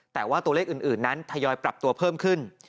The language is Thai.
แต่ว่าตัวเลขอื่นนั้นทยอยปรับตัวเพิ่มขึ้น